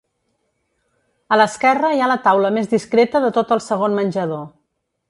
A l'esquerra hi ha la taula més discreta de tot el segon menjador.